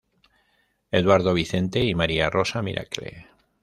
Eduardo Vicente y María Rosa Miracle.